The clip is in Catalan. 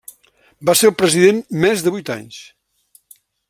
Va ser el president més de vuit anys.